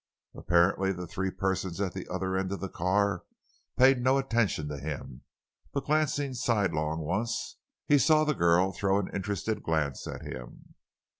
Apparently the three persons at the other end of the car paid no attention to him, but glancing sidelong once he saw the girl throw an interested glance at him.